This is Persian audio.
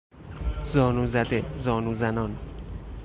زانو زده، زانو زنان